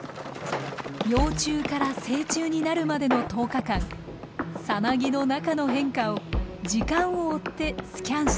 幼虫から成虫になるまでの１０日間蛹の中の変化を時間を追ってスキャンしていきます。